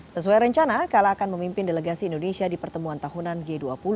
sesuai rencana kala akan memimpin delegasi indonesia di pertemuan tahunan g dua puluh